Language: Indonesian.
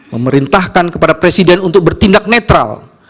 memerintahkan kepada presiden untuk bertindak netral